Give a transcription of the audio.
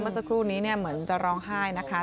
เมื่อสักครู่นี้เหมือนจะร้องไห้นะคะ